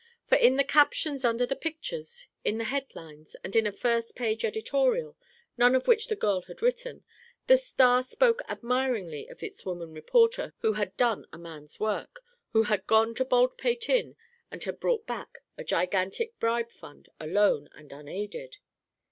For in the captions under the pictures, in the head lines, and in a first page editorial, none of which the girl had written, the Star spoke admiringly of its woman reporter who had done a man's work who had gone to Baldpate Inn and had brought back a gigantic bribe fund "alone and unaided".